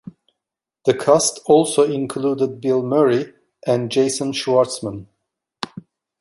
The cast also included Bill Murray and Jason Schwartzman.